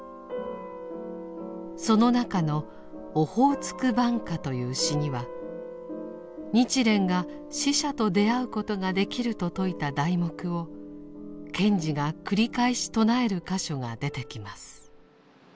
その中の「オホーツク挽歌」という詩には日蓮が死者と出会うことができると説いた題目を賢治が繰り返し唱える箇所が出てきます。